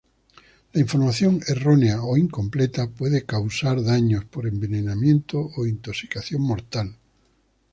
La información errónea o incompleta puede causar daños por envenenamiento o intoxicación mortal.